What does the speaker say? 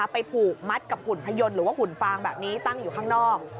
ไปผูกมัดกับหุ่นพยนต์หรือว่าหุ่นฟางแบบนี้ตั้งอยู่ข้างนอก